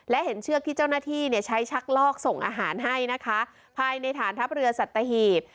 และเห็นเชือกที่เจ้าหน้าที่ใช้ชักลอกส่งอาหารให้นะคะภายในฐานทัพเรือสัตหีบ